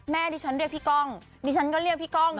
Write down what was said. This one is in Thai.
ดิฉันเรียกพี่ก้องดิฉันก็เรียกพี่ก้อง